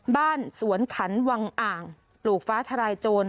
บ้านสวนขันวังอ่างปลูกฟ้าทลายโจร